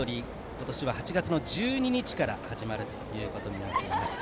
今年は８月１２日から始まることとなっています。